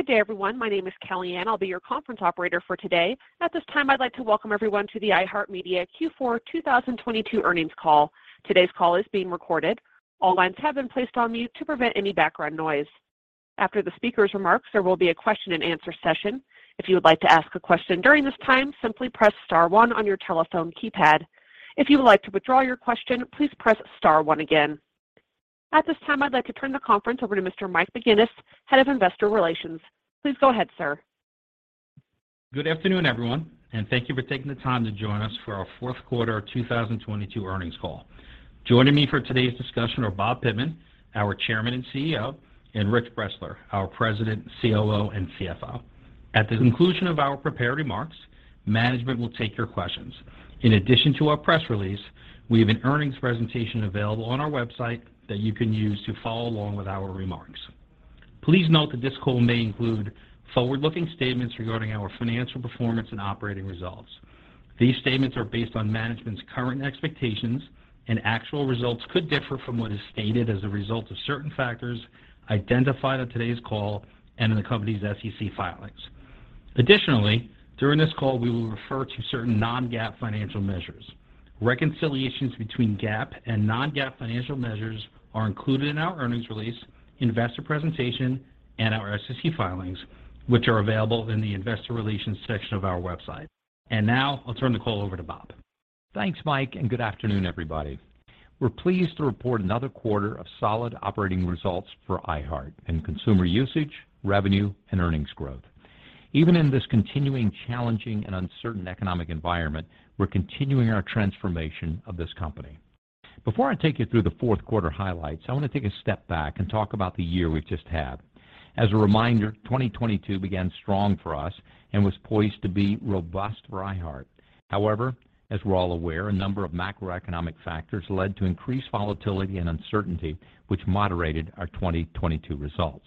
Good day, everyone. My name is Kelly Ann. I'll be your conference operator for today. At this time, I'd like to welcome everyone to the iHeartMedia Q4 2022 earnings call. Today's call is being recorded. All lines have been placed on mute to prevent any background noise. After the speaker's remarks, there will be a question-and-answer session. If you would like to ask a question during this time, simply press star one on your telephone keypad. If you would like to withdraw your question, please press star one again. At this time, I'd like to turn the conference over to Mr. Mike McGuinness, Head of Investor Relations. Please go ahead, sir. Good afternoon, everyone, and thank you for taking the time to join us for our fourth quarter of 2022 earnings call. Joining me for today's discussion are Bob Pittman, our Chairman and CEO, and Rich Bressler, our President, COO, and CFO. At the conclusion of our prepared remarks, management will take your questions. In addition to our press release, we have an earnings presentation available on our website that you can use to follow along with our remarks. Please note that this call may include forward-looking statements regarding our financial performance and operating results. These statements are based on management's current expectations, and actual results could differ from what is stated as a result of certain factors identified on today's call and in the company's SEC filings. Additionally, during this call, we will refer to certain non-GAAP financial measures. Reconciliations between GAAP and non-GAAP financial measures are included in our earnings release, investor presentation, and our SEC filings, which are available in the Investor Relations section of our website. Now I'll turn the call over to Bob. Thanks, Mike. Good afternoon, everybody. We're pleased to report another quarter of solid operating results for iHeart in consumer usage, revenue, and earnings growth. Even in this continuing challenging and uncertain economic environment, we're continuing our transformation of this company. Before I take you through the fourth quarter highlights, I want to take a step back and talk about the year we've just had. As a reminder, 2022 began strong for us and was poised to be robust for iHeart. However, as we're all aware, a number of macroeconomic factors led to increased volatility and uncertainty, which moderated our 2022 results.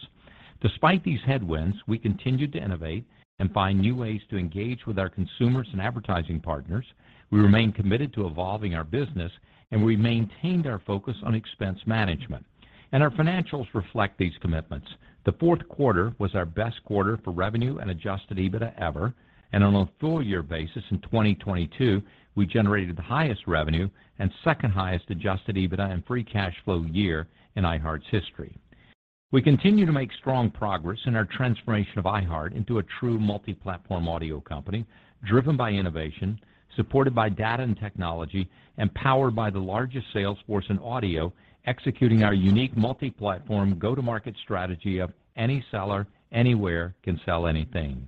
Despite these headwinds, we continued to innovate and find new ways to engage with our consumers and advertising partners. We remain committed to evolving our business, and we maintained our focus on expense management. Our financials reflect these commitments. The fourth quarter was our best quarter for revenue and Adjusted EBITDA ever. On a full year basis in 2022, we generated the highest revenue and second highest Adjusted EBITDA and free cash flow year in iHeart's history. We continue to make strong progress in our transformation of iHeart into a true multi-platform audio company, driven by innovation, supported by data and technology, and powered by the largest sales force in audio, executing our unique multi-platform go-to-market strategy of any seller, anywhere can sell anything.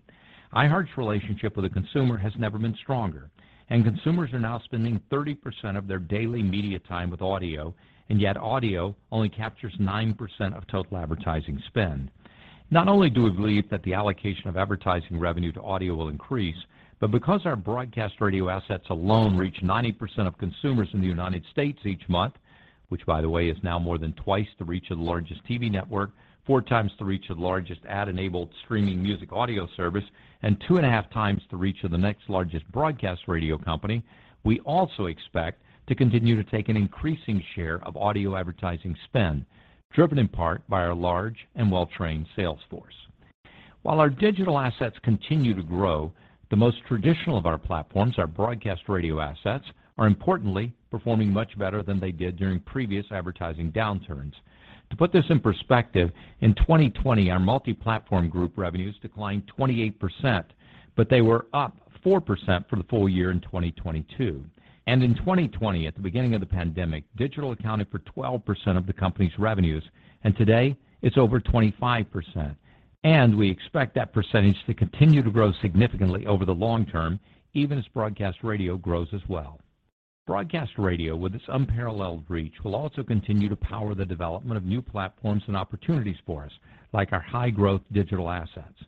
iHeart's relationship with the consumer has never been stronger. Consumers are now spending 30% of their daily media time with audio. Yet audio only captures 9% of total advertising spend. Not only do we believe that the allocation of advertising revenue to audio will increase, but because our broadcast radio assets alone reach 90% of consumers in the United States each month, which is now more than twice the reach of the largest TV network, four times the reach of the largest ad-enabled streaming music audio service, and two and a half times the reach of the next largest broadcast radio company, we also expect to continue to take an increasing share of audio advertising spend, driven in part by our large and well-trained sales force. While our digital assets continue to grow, our broadcast radio assets are importantly performing much better than they did during previous advertising downturns. To put this in perspective, in 2020, our Multiplatform Group revenues declined 28%, they were up 4% for the full year in 2022. In 2020, at the beginning of the pandemic, digital accounted for 12% of the company's revenues; today it's over 25%, and we expect that percentage to continue to grow significantly over the long term, even as broadcast radio grows as well. Broadcast radio, with its unparalleled reach, will also continue to power the development of new platforms and opportunities for us, like our high-growth digital assets.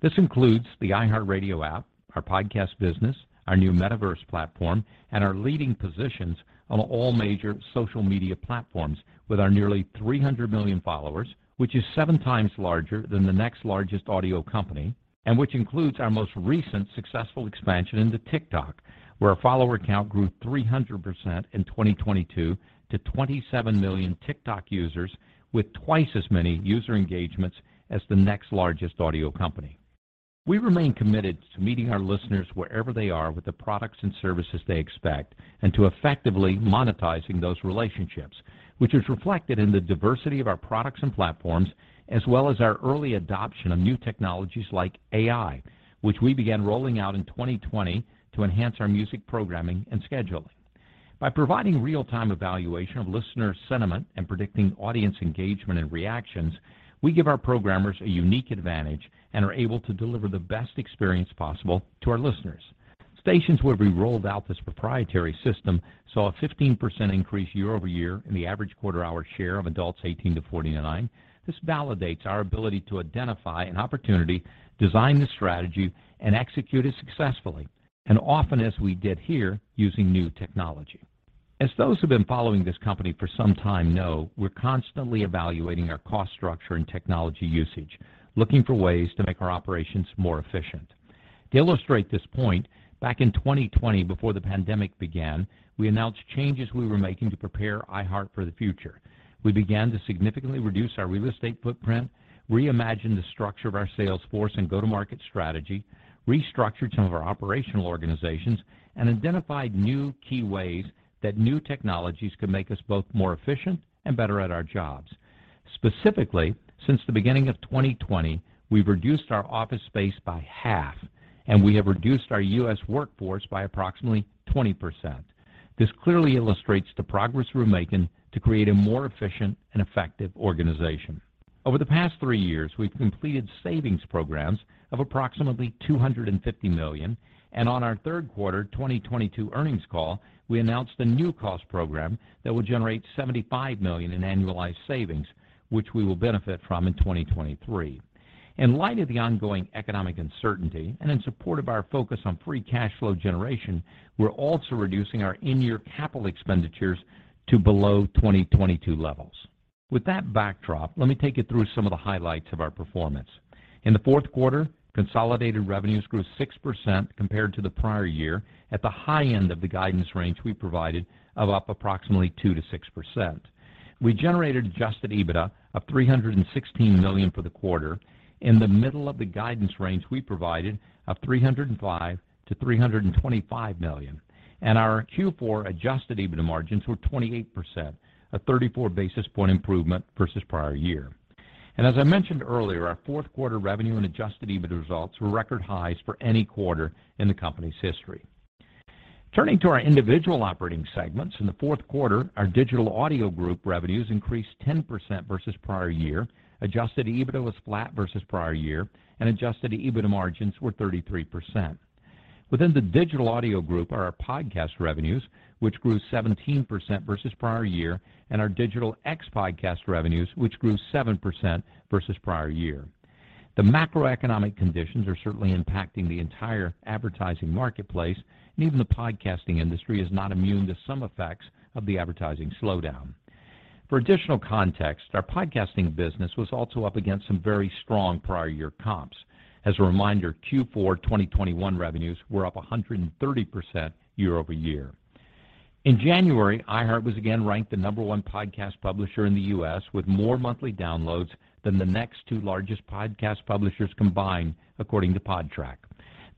This includes the iHeartRadio app, our podcast business, our new metaverse platform, and our leading positions on all major social media platforms with our nearly 300 million followers, which is seven times larger than the next largest audio company, including our successful expansion into TikTok, where our follower count grew 300% in 2022 to 27 million TikTok users with twice as many user engagements as the next largest audio company. We remain committed to meeting our listeners wherever they are with the products and services they expect, and to effectively monetizing those relationships, reflected in the diversity of our products and platforms, as well as early adoption of technologies like AI, which we began rolling out in 2020 to enhance our music programming and scheduling. By providing real-time evaluation of listener sentiment and predicting audience engagement and reactions, we give our programmers a unique advantage and are able to deliver the best experience possible to our listeners. Stations where we rolled out this proprietary system saw a 15% increase year-over-year in the average quarter-hour share of adults 18 to 49. This validates our ability to identify an opportunity, design the strategy, and execute it successfully, often using new technology. As those who've been following this company know, we're constantly evaluating our cost structure and technology usage, looking for ways to make our operations more efficient. To illustrate this point, back in 2020 before the pandemic began, we announced changes to prepare iHeart for the future. We began to significantly reduce our real estate footprint, reimagine the structure of our sales force and go-to-market strategy, restructured some operational organizations, and identified new key ways that technologies could make us more efficient. Specifically, since the beginning of 2020, we've reduced our office space by half, and our U.S. workforce by approximately 20%. This illustrates the progress we're making to create a more efficient and effective organization. Over the past three years, we've completed savings programs of approximately $250 million, and on our Q3 2022 earnings call, we announced a new cost program generating $75 million in annualized savings, which will benefit us in 2023. In light of the ongoing economic uncertainty and in support of our focus on free cash flow generation, we're also reducing our in-year capital expenditures below 2022 levels. With that backdrop, let me take you through highlights of our performance. In Q4, consolidated revenues grew 6% compared to prior year at the high end of the guidance range we provided of approximately 2%-6%. We generated Adjusted EBITDA of $316 million for the quarter, in the middle of the guidance range of $305 million-$325 million. Q4 Adjusted EBITDA margins were 28%, a 34 basis point improvement versus prior year. As I mentioned, our Q4 revenue and Adjusted EBITDA results were record highs for any quarter in the company's history. Turning to our individual operating segments, in Q4, our Digital Audio Group revenues increased 10% versus prior year. Adjusted EBITDA was flat, and margins were 33%. Within the Digital Audio Group, podcast revenues grew 17% versus prior year, and non-podcast digital revenues grew 7%. The macroeconomic conditions impacted the entire advertising marketplace, including podcasting, which was up against strong prior year comps. As a reminder, Q4 2021 revenues were up 130% year-over-year. In January, iHeart was again ranked the #1 podcast publisher in the U.S., with more monthly downloads than the next two largest podcast publishers combined, according to Podtrac.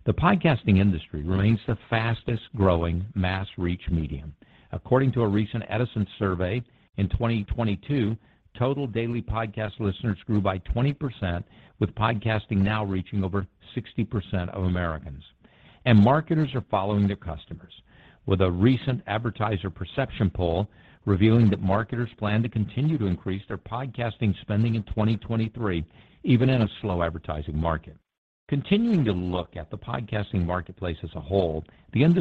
The podcasting industry remains the fastest-growing mass reach medium. According to a recent Edison survey, in 2022, total daily podcast listeners grew by 20%, now reaching over 60% of Americans. Marketers plan to continue increasing podcasting spending in 2023, even in a slow advertising market. We’ve avoided engaging in uneconomic behavior in podcasting, and this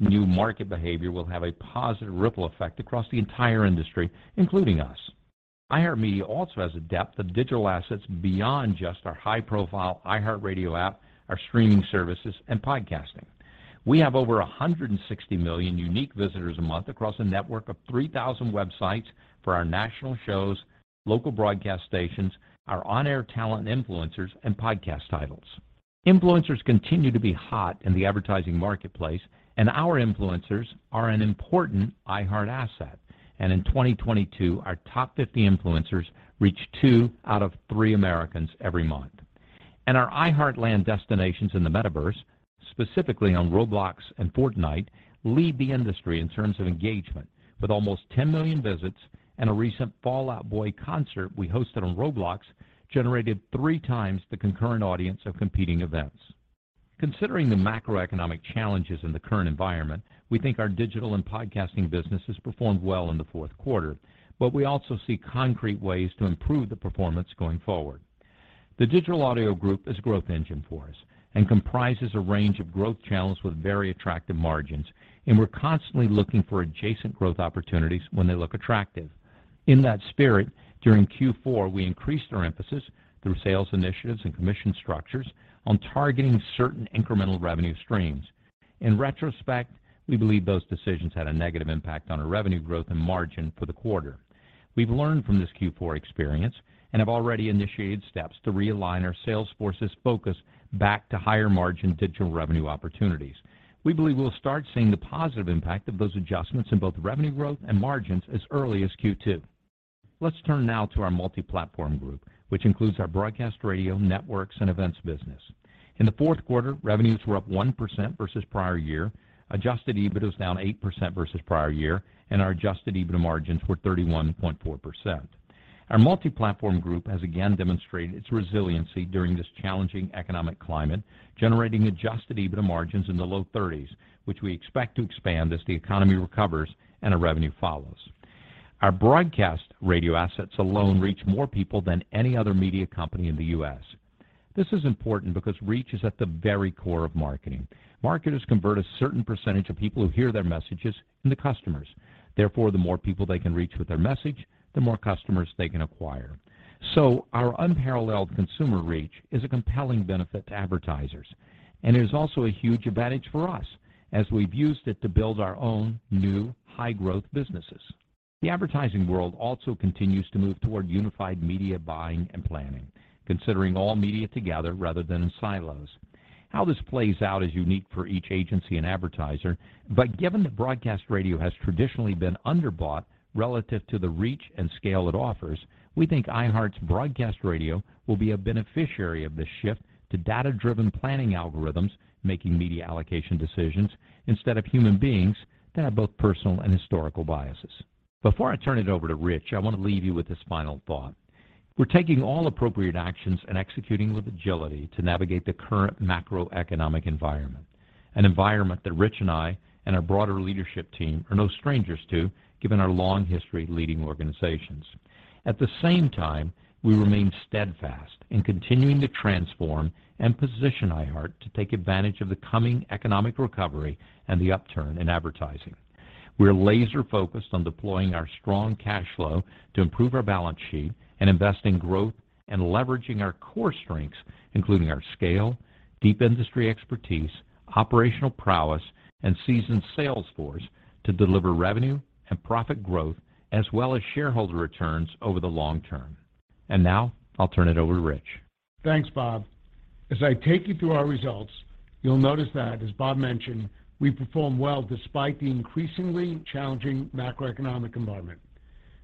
new market behavior will have a positive ripple effect across the industry, including us. iHeartMedia also has a depth of digital assets beyond our iHeartRadio app, streaming services, and podcasting. We have over 160 million unique visitors a month across a network of 3,000 websites for national shows, local broadcast stations, on-air talent influencers, and podcast titles. Influencers continue to be hot in advertising. Our top 50 influencers reached 2 out of 3 Americans every month. Our iHeartLand destinations in the metaverse, specifically on Roblox and Fortnite, lead the industry in engagement, with almost 10 million visits. A Fall Out Boy concert we hosted on Roblox generated 3x the concurrent audience of competing events. Considering macroeconomic challenges, we think our digital and podcasting businesses performed well in Q4 and see ways to improve performance going forward. The Digital Audio Group is a growth engine for us and comprises a range of growth channels with very attractive margins, and we're constantly looking for adjacent growth opportunities when they look attractive. In that spirit, during Q4, we increased our emphasis through sales initiatives and commission structures on targeting certain incremental revenue streams. In retrospect, we believe those decisions had a negative impact on our revenue growth and margin for the quarter. We've learned from this Q4 experience and have already initiated steps to realign our sales force's focus back to higher-margin digital revenue opportunities. We believe we'll start seeing the positive impact of those adjustments in both revenue growth and margins as early as Q2. Let's turn now to our Multiplatform Group, which includes our broadcast radio networks and events business. In the fourth quarter, revenues were up 1% versus prior year. Adjusted EBITDA was down 8% versus prior year. Our Adjusted EBITDA margins were 31.4%. Our Multiplatform Group has again demonstrated its resiliency during this challenging economic climate, generating Adjusted EBITDA margins in the low 30s, which we expect to expand as the economy recovers and our revenue follows. Our broadcast radio assets alone reach more people than any other media company in the U.S. This is important because reach is at the very core of marketing. Marketers convert a certain percentage of people who hear their messages into customers. Therefore, the more people they can reach with their message, the more customers they can acquire. Our unparalleled consumer reach is a compelling benefit to advertisers, and it is also a huge advantage for us as we've used it to build our own new high-growth businesses. The advertising world also continues to move toward unified media buying and planning, considering all media together rather than in silos. How this plays out is unique for each agency and advertiser, but given that broadcast radio has traditionally been underbought relative to the reach and scale it offers, we think iHeart's broadcast radio will be a beneficiary of this shift to data-driven planning algorithms making media allocation decisions instead of human beings that have both personal and historical biases. Before I turn it over to Rich, I want to leave you with this final thought. We're taking all appropriate actions and executing with agility to navigate the current macroeconomic environment, an environment that Rich and I and our broader leadership team are no strangers to, given our long history leading organizations. At the same time, we remain steadfast in continuing to transform and position iHeart to take advantage of the coming economic recovery and the upturn in advertising. We're laser-focused on deploying our strong cash flow to improve our balance sheet and invest in growth and leveraging our core strengths, including our scale, deep industry expertise, operational prowess, and seasoned sales force to deliver revenue and profit growth as well as shareholder returns over the long term. Now I'll turn it over to Rich. Thanks, Bob. As I take you through our results, you'll notice that, as Bob mentioned, we performed well despite the increasingly challenging macroeconomic environment.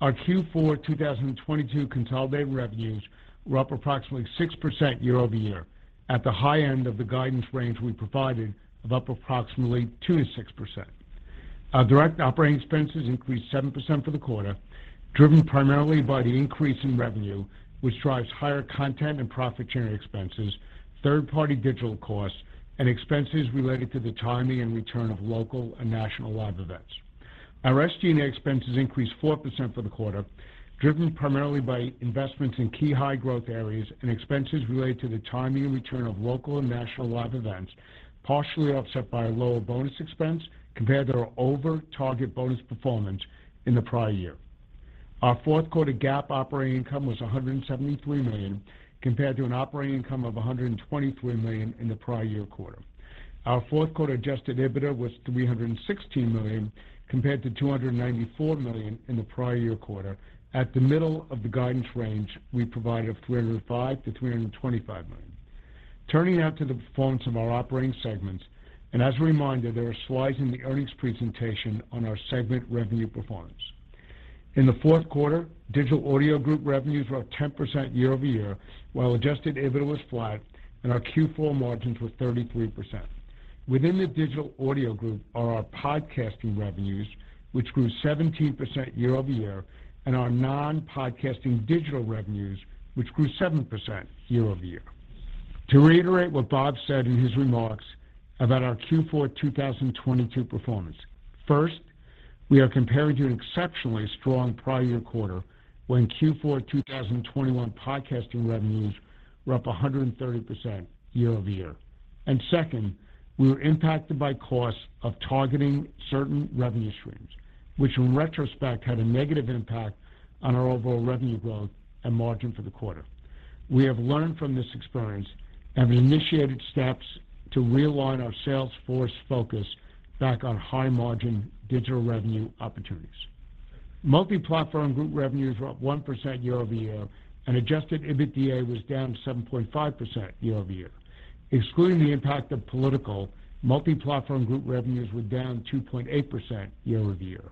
Our Q4 2022 consolidated revenues were up approximately 6% year-over-year at the high end of the guidance range we provided of up approximately 2%-6%. Our direct operating expenses increased 7% for the quarter, driven primarily by the increase in revenue, which drives higher content and profit sharing expenses, third-party digital costs, and expenses related to the timing and return of local and national live events. Our SG&A expenses increased 4% for the quarter, driven primarily by investments in key high-growth areas and expenses related to the timing and return of local and national live events, partially offset by a lower bonus expense compared to our over-target bonus performance in the prior year. Our fourth quarter GAAP operating income was $173 million compared to an operating income of $123 million in the prior year quarter. Our fourth quarter Adjusted EBITDA was $316 million compared to $294 million in the prior year quarter at the middle of the guidance range we provided of $305 million-$325 million. Turning now to the performance of our operating segments. As a reminder, there are slides in the earnings presentation on our segment revenue performance. In the fourth quarter, Digital Audio Group revenues were up 10% year-over-year, while Adjusted EBITDA was flat and our Q4 margins were 33%. Within the Digital Audio Group are our podcasting revenues, which grew 17% year-over-year, and our non-podcasting digital revenues, which grew 7% year-over-year. To reiterate what Bob said in his remarks about our Q4 2022 performance, first, we are comparing to an exceptionally strong prior year quarter when Q4 2021 podcasting revenues were up 130% year-over-year. Second, we were impacted by costs of targeting certain revenue streams, which in retrospect had a negative impact on our overall revenue growth and margin for the quarter. We have learned from this experience and have initiated steps to realign our sales force focus back on high-margin digital revenue opportunities. Multiplatform Group revenues were up 1% year-over-year, and Adjusted EBITDA was down 7.5% year-over-year. Excluding the impact of political, Multiplatform Group revenues were down 2.8% year-over-year.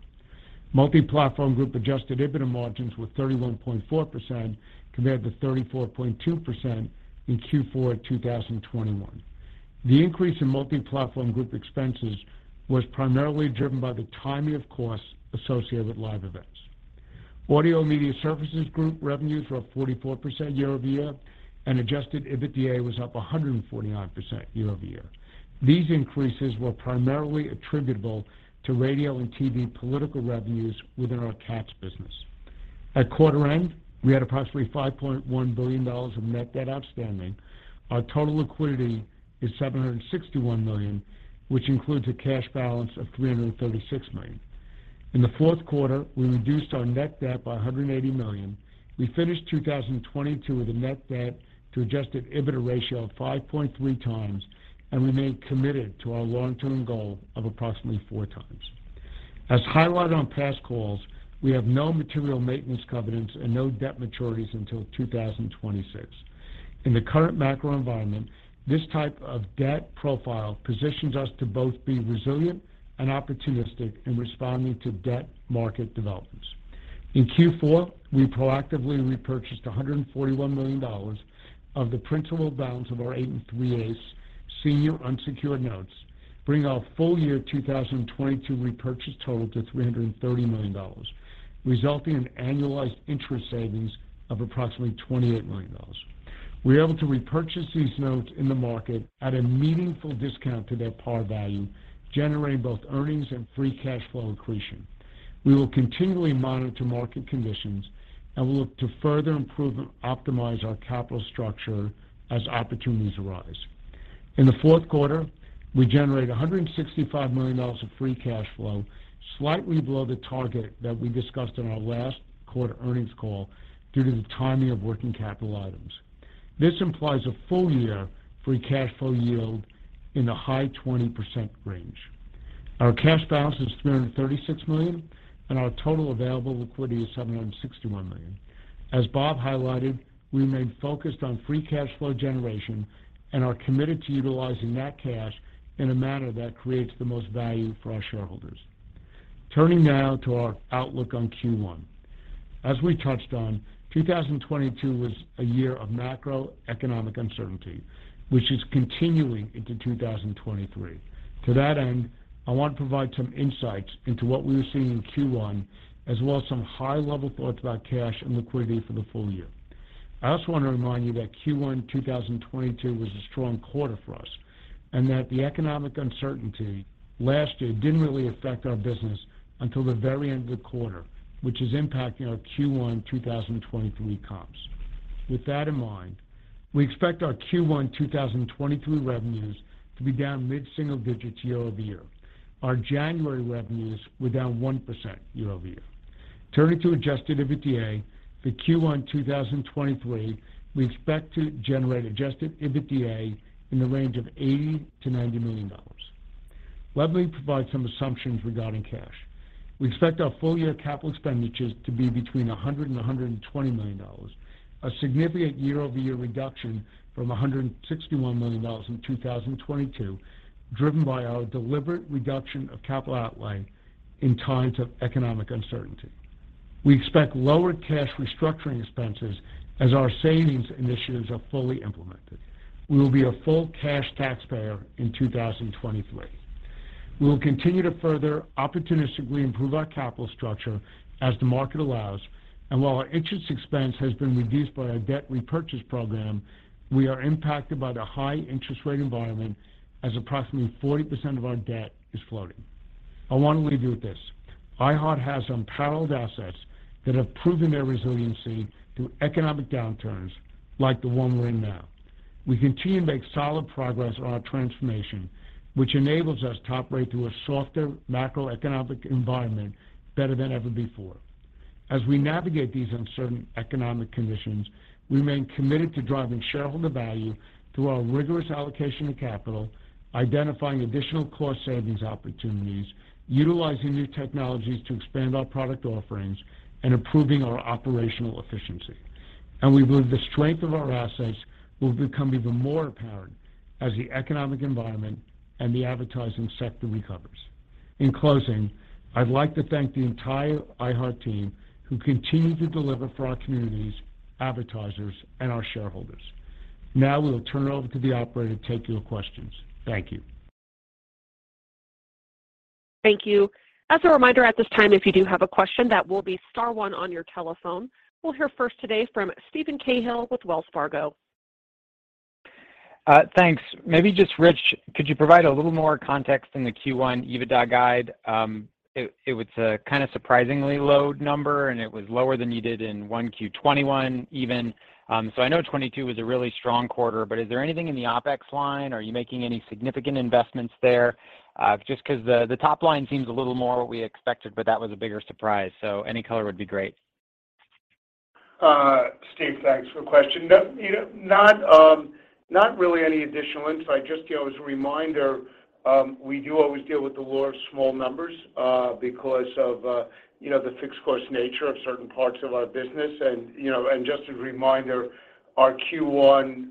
Multiplatform Group Adjusted EBITDA margins were 31.4% compared to 34.2% in Q4 2021. The increase in Multiplatform Group expenses was primarily driven by the timing of costs associated with live events. Audio & Media Services Group revenues were up 44% year-over-year, and Adjusted EBITDA was up 149% year-over-year. These increases were primarily attributable to radio and TV political revenues within our CATS business. At quarter end, we had approximately $5.1 billion of net debt outstanding. Our total liquidity is $761 million, which includes a cash balance of $336 million. In the fourth quarter, we reduced our net debt by $180 million. We finished 2022 with a net debt to Adjusted EBITDA ratio of 5.3 times and remain committed to our long-term goal of approximately 4 times. As highlighted on past calls, we have no material maintenance covenants and no debt maturities until 2026. In the current macro environment, this type of debt profile positions us to both be resilient and opportunistic in responding to debt market developments. In Q4, we proactively repurchased $141 million of the principal balance of our 8 3/8 Senior Unsecured Notes, bringing our full year 2022 repurchase total to $330 million, resulting in annualized interest savings of approximately $28 million. We were able to repurchase these notes in the market at a meaningful discount to their par value, generating both earnings and free cash flow accretion. We will continually monitor market conditions and look to further improve and optimize our capital structure as opportunities arise. In the fourth quarter, we generated $165 million of free cash flow, slightly below the target that we discussed in our last quarter earnings call due to the timing of working capital items. This implies a full year free cash flow yield in the high 20% range. Our cash balance is $336 million, and our total available liquidity is $761 million. As Bob highlighted, we remain focused on free cash flow generation and are committed to utilizing that cash in a manner that creates the most value for our shareholders. Turning now to our outlook on Q1. As we touched on, 2022 was a year of macroeconomic uncertainty, which is continuing into 2023. To that end, I want to provide some insights into what we are seeing in Q1, as well as some high level thoughts about cash and liquidity for the full year. I also want to remind you that Q1 2022 was a strong quarter for us, and that the economic uncertainty last year didn't really affect our business until the very end of the quarter, which is impacting our Q1 2023 comps. With that in mind, we expect our Q1 2023 revenues to be down mid single digits year-over-year. Our January revenues were down 1% year-over-year. Turning to Adjusted EBITDA for Q1 2023, we expect to generate Adjusted EBITDA in the range of $80 million-$90 million. Let me provide some assumptions regarding cash. We expect our full year capital expenditures to be between $100 million and $120 million, a significant year-over-year reduction from $161 million in 2022, driven by our deliberate reduction of capital outlay in times of economic uncertainty. We expect lower cash restructuring expenses as our savings initiatives are fully implemented. We will be a full cash taxpayer in 2023. While our interest expense has been reduced by our debt repurchase program, we are impacted by the high interest rate environment as approximately 40% of our debt is floating. I want to leave you with this. iHeart has unparalleled assets that have proven their resiliency through economic downturns like the one we're in now. We continue to make solid progress on our transformation, which enables us to operate through a softer macroeconomic environment better than ever before. As we navigate these uncertain economic conditions, we remain committed to driving shareholder value through our rigorous allocation of capital, identifying additional cost savings opportunities, utilizing new technologies to expand our product offerings, and improving our operational efficiency. We believe the strength of our assets will become even more apparent as the economic environment and the advertising sector recovers. In closing, I'd like to thank the entire iHeart team who continue to deliver for our communities, advertisers, and our shareholders. We will turn it over to the operator to take your questions. Thank you. Thank you. As a reminder, if you have a question, press star one. First up, Steven Cahall with Wells Fargo. Thanks. Rich, could you provide more context on the Q1 EBITDA guide? It seems low, even compared to Q1 2021. Is anything in OpEx driving this? Any significant investments? The top line looks closer to expectations, but the EBITDA guide was a bigger surprise. Steve, thanks. No additional insight. Remember, we deal with small numbers due to fixed costs in parts of the business. Q1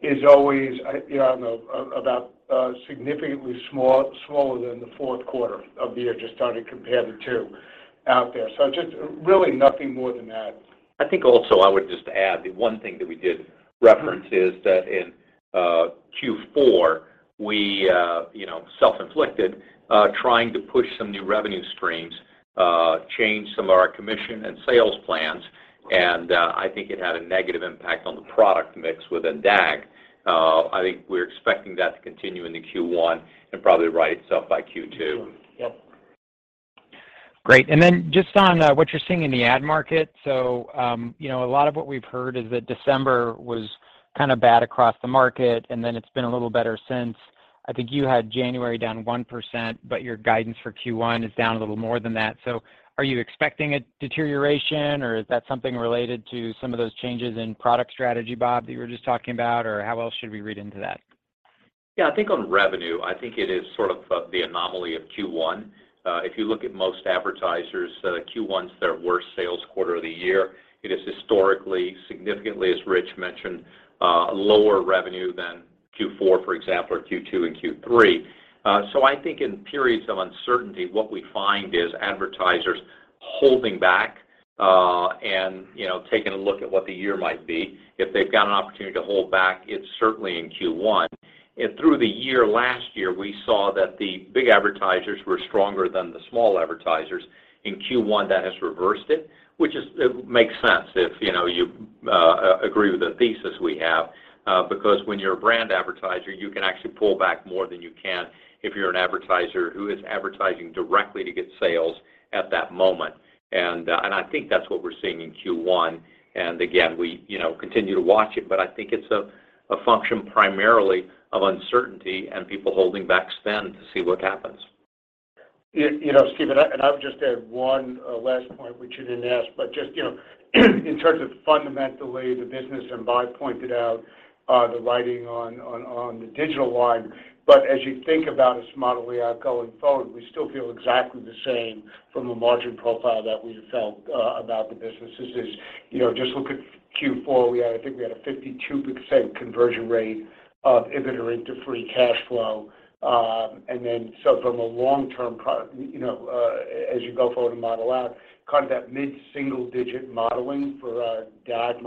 is always smaller than Q4, both in absolute and relative terms. Nothing more than that. I’d add that in Q4, we pushed some new revenue streams and adjusted commission plans, which negatively impacted DAG’s product mix. We expect this to continue in Q1 and normalize by Q2. Yep. On the ad market: December was weak, then slightly better in January. Your Q1 guidance is down more than January’s 1%. Is that expected deterioration, or related to product strategy changes, Bob? Q1 is historically the weakest sales quarter. Advertisers hold back, assessing the year ahead. Big advertisers were stronger last year than small ones, but this is typical of Q1. Brand advertisers can pull back more than direct-response advertisers. This explains Q1’s trends. We continue monitoring, but it’s mainly uncertainty-driven spend holdback. Steve, one more point. The business fundamentals remain strong. Q4 had 52% conversion of EBITDA to free cash flow. For DAG, mid-single digit EBITDA margin modeling remains appropriate.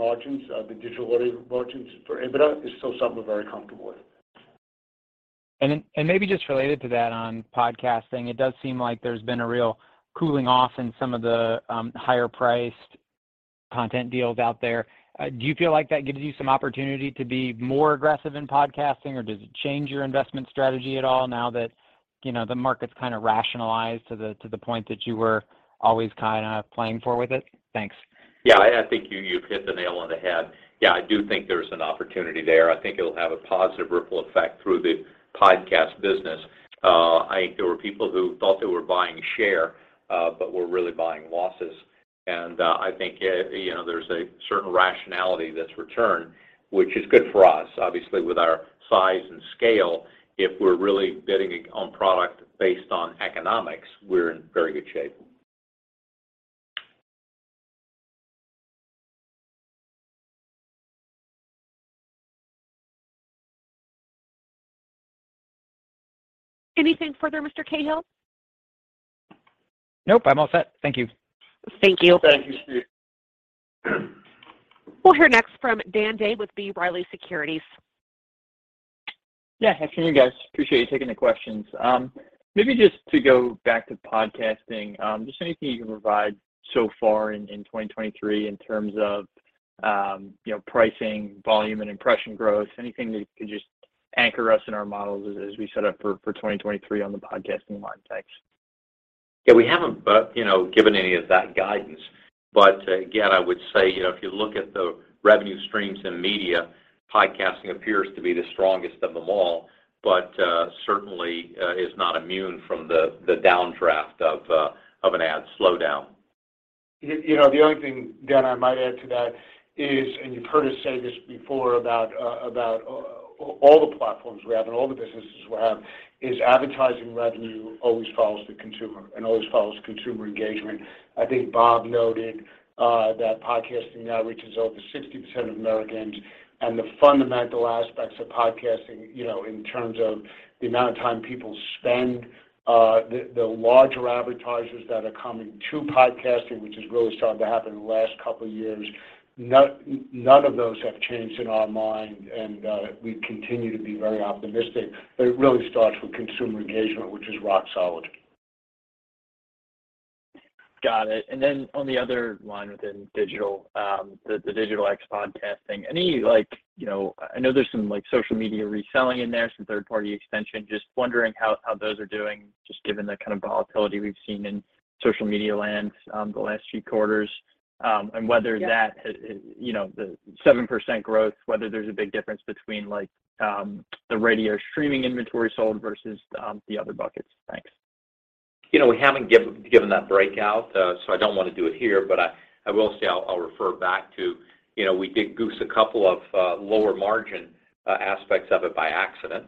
On podcasting: higher-priced content deals cooled. Does this create opportunity or change your investment approach? Yes, opportunity exists. Rational pricing returned, which benefits us. With our size and economics-based bidding, we’re well-positioned. Anything further, Mr. Cahall? Nope, I'm all set. Thank you. Thank you. Thank you, Steve. We'll hear next from Daniel Day with B. Riley Securities. Afternoon, guys. Appreciate you taking the questions. Maybe just to go back to podcasting, just anything you can provide so far in 2023 in terms of, you know, pricing, volume and impression growth? Anything that you could just anchor us in our models as we set up for 2023 on the podcasting line. Thanks. We haven't, but, you know, given any of that guidance. Again, I would say, you know, if you look at the revenue streams in media, podcasting appears to be the strongest of them all. Certainly is not immune from the downdraft of an ad slowdown. You know, the only thing, Dan, I might add to that is, and you've heard us say this before about all the platforms we have and all the businesses we have, is advertising revenue always follows the consumer and always follows consumer engagement. I think Bob noted that podcasting now reaches over 60% of Americans, and the fundamental aspects of podcasting, you know, in terms of the amount of time people spend, the larger advertisers that are coming to podcasting, which has really started to happen in the last couple years, none of those have changed in our mind and we continue to be very optimistic. It really starts with consumer engagement, which is rock solid. Got it. On the other line within digital, the digital ex-podcasting, any like, you know, I know there's some like social media reselling in there, some third-party extension. Just wondering how those are doing just given the kind of volatility we've seen in social media lands, the last few quarters, and whether that. Yeah …you know, the 7% growth, whether there's a big difference between like, the radio streaming inventory sold versus, the other buckets. Thanks. You know, we haven't given that breakout, so I don't wanna do it here, but I will say I'll refer back to, you know, we did goose a couple of lower margin aspects of it by accident.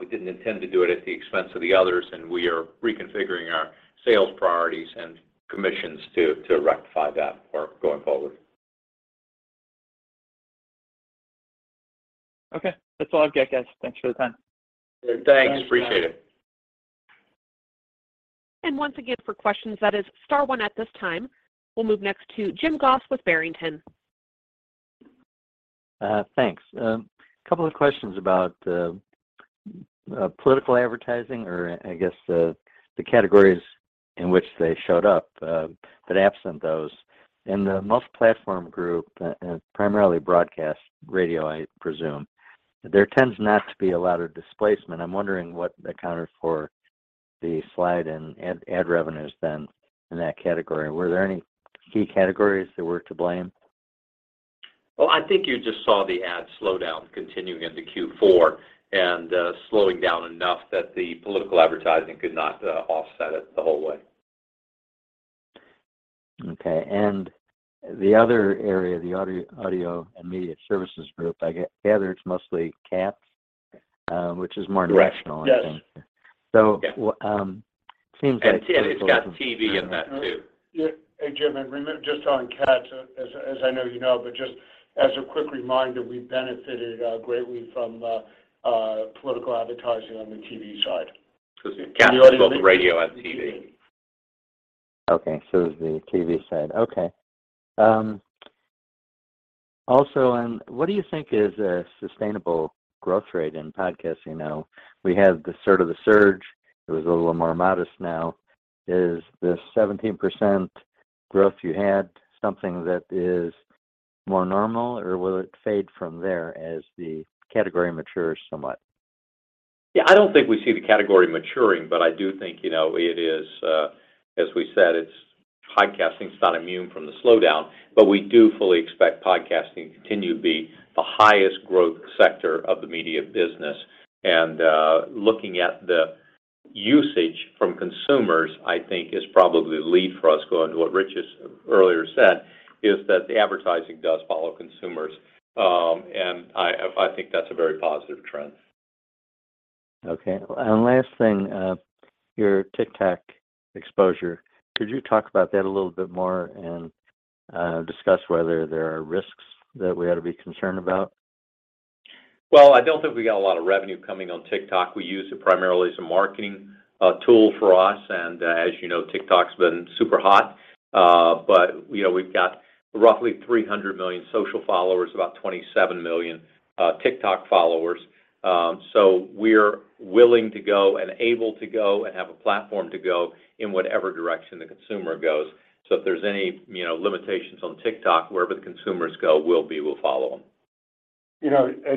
We didn't intend to do it at the expense of the others. We are reconfiguring our sales priorities and commissions to rectify that for going forward. Okay. That's all I've got, guys. Thanks for the time. Thanks. Appreciate it. Once again, for questions, that is star 1 at this time. We'll move next to Jim Goss with Barrington. Thanks. Couple of questions about political advertising or I guess the categories in which they showed up. Absent those. In the Multiplatform Group, primarily broadcast radio, I presume, there tends not to be a lot of displacement. I'm wondering what accounted for the slide in ad revenues then in that category. Were there any key categories that were to blame? Well, I think you just saw the ad slowdown continuing into Q4 and slowing down enough that the political advertising could not offset it the whole way. Okay. The other area, the Audio & Media Services Group, I gather it's mostly CATS, which is more directional, I think. Yes. Yes. So, um, seems like- It's got TV in that too. Yeah. Hey, Jim, just on CATS, as I know you know, but just as a quick reminder, we benefited greatly from political advertising on the TV side. Excuse me. CATS is both radio and TV. Is the TV side. Okay. Also, what do you think is a sustainable growth rate in podcasting now? We had the sort of the surge. It was a little more modest now. Is the 17% growth you had something that is more normal or will it fade from there as the category matures somewhat? I don't think we see the category maturing, but I do think, you know, it is as we said, Podcasting is not immune from the slowdown, but we do fully expect podcasting to continue to be the highest growth sector of the media business. Looking at the usage from consumers, I think is probably the lead for us, going to what Rich has earlier said, is that the advertising does follow consumers. I think that's a very positive trend. Okay. Last thing, your TikTok exposure. Could you talk about that a little bit more and discuss whether there are risks that we ought to be concerned about? I don't think we see the category maturing, but I do think, you know, it is as we said, Podcasting is not immune from the slowdown, but we do fully expect podcasting to continue to be the highest growth sector of the media business. Looking at the usage from consumers, I think is probably the lead for us, going to what Rich has earlier said, is that the advertising does follow consumers. I think that's a very positive trend. You know,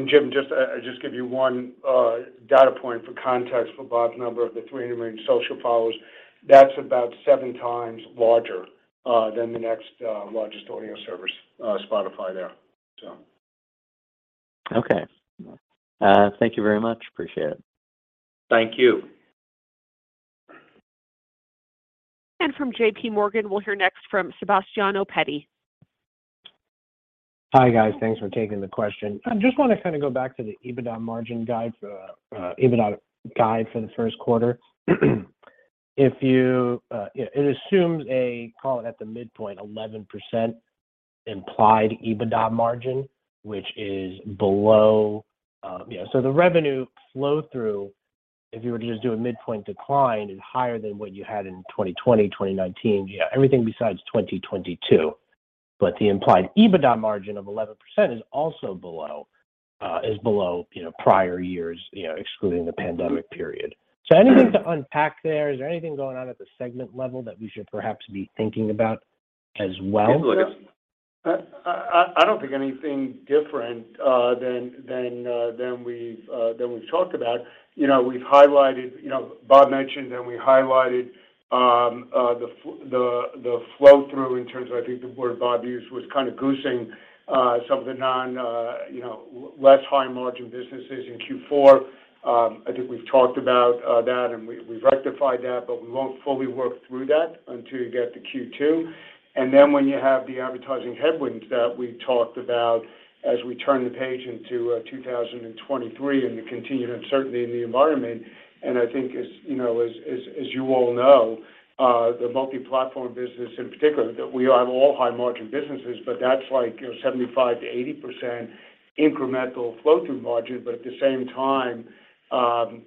Jim, just give you one data point for context for Bob's number of the $300 million social followers. That's about seven times larger than the next largest audio service, Spotify there. Okay. Thank you very much. Appreciate it. Thank you. From JPMorgan, we'll hear next from Sebastiano Petti. Hi, guys. Thanks for taking the question. I just wanna kind of go back to the EBITDA margin guide for the first quarter. If you, it assumes a, call it at the midpoint, 11% implied EBITDA margin, which is below, you know. The revenue flow-through, if you were to just do a midpoint decline, is higher than what you had in 2020, 2019. You have everything besides 2022. The implied EBITDA margin of 11% is also below, you know, prior years, you know, excluding the pandemic period. Anything to unpack there? Is there anything going on at the segment level that we should perhaps be thinking about as well? Yeah. I don't think anything different than we've talked about. You know, we've highlighted, you know, Bob mentioned and we highlighted the flow-through in terms of, I think the word Bob used was kinda goosing some of the non, you know, less high margin businesses in Q4. I think we've talked about that and we've rectified that, but we won't fully work through that until you get to Q2. When you have the advertising headwinds that we talked about as we turn the page into 2023 and the continued uncertainty in the environment. I think as, you know, as you all know, the multi-platform business in particular, that we have all high margin businesses, but that's like, you know, 75%-80% incremental flow-through margin. At the same time,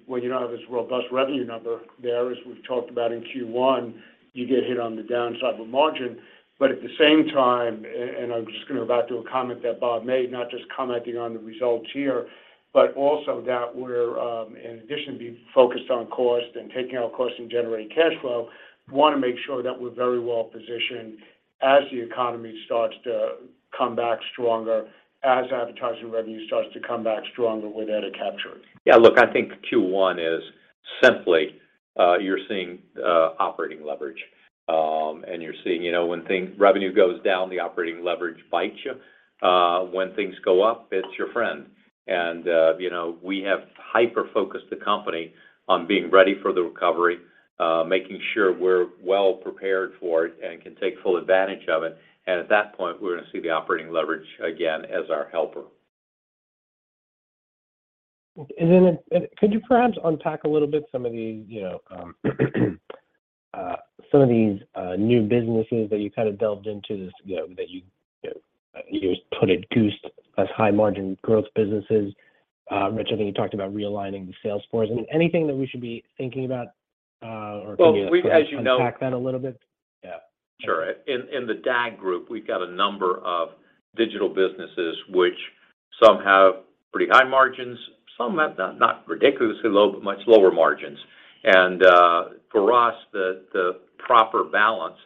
when you don't have this robust revenue number there, as we've talked about in Q1, you get hit on the downside of a margin. At the same time, and I'm just gonna revert to a comment that Bob made, not just commenting on the results here, but also that we're in addition to being focused on cost and taking out cost and generating cash flow, wanna make sure that we're very well positioned as the economy starts to come back stronger, as advertising revenue starts to come back stronger with ad capture. Yeah, look, I think Q1 is simply, you're seeing, operating leverage. You're seeing, you know, when revenue goes down, the operating leverage bites you. When things go up, it's your friend. You know, we have hyper-focused the company on being ready for the recovery, making sure we're well prepared for it and can take full advantage of it. At that point, we're gonna see the operating leverage again as our helper. Could you perhaps unpack a little bit some of the, you know, some of these new businesses that you kind of delved into this, you know, that you know, you just put it goosed as high margin growth businesses? Rich, I think you talked about realigning the sales force. Anything that we should be thinking about, or can you perhaps unpack that a little bit? Yeah. Sure. In the DAG Group, we've got a number of digital businesses which some have pretty high margins, some have not ridiculously low, but much lower margins. For us, the proper balance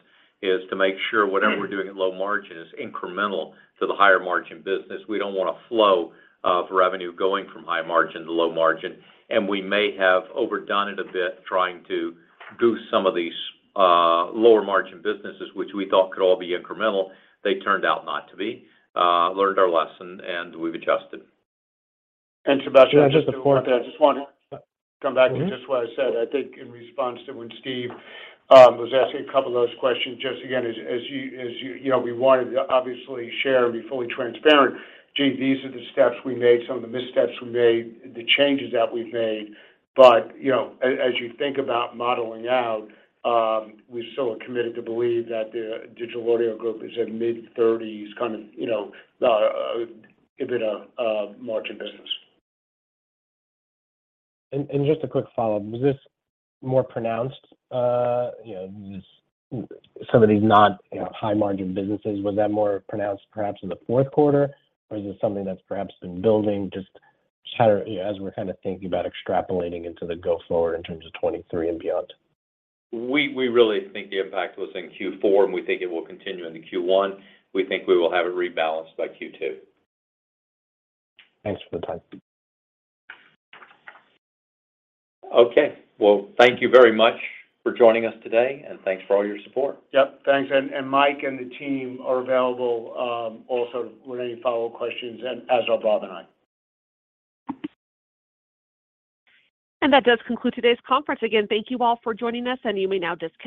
is to make sure whatever we're doing at low margin is incremental to the higher margin business. We don't want a flow of revenue going from high margin to low margin. We may have overdone it a bit trying to do some of these lower margin businesses, which we thought could all be incremental. They turned out not to be. Learned our lesson, and we've adjusted. Sebastiano, I just want to come back to just what I said. I think in response to when Steve was asking a couple of those questions, just again, as you know, we wanted to obviously share and be fully transparent. These are the steps we made, some of the missteps we made, the changes that we've made. You know, as you think about modeling out, we still are committed to believe that the Digital Audio Group is a mid-30s kind of, you know, EBITDA margin business. Just a quick follow-up. Was this more pronounced, you know, some of these not, you know, high margin businesses, was that more pronounced perhaps in the fourth quarter? Is this something that's perhaps been building? Just kinda, you know, as we're thinking about extrapolating into the go forward in terms of 23 and beyond. We really think the impact was in Q4, and we think it will continue into Q1. We think we will have it rebalanced by Q2. Thanks for the time. Okay. Well, thank you very much for joining us today, and thanks for all your support. Yep. Thanks. Mike and the team are available, also with any follow questions, and as are Bob and I. That does conclude today's conference. Again, thank you all for joining us, and you may now disconnect.